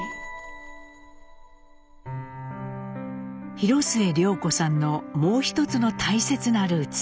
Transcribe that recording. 広末涼子さんのもう一つの大切なルーツ。